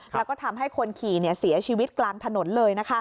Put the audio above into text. แล้วก็ทำให้คนขี่เสียชีวิตกลางถนนเลย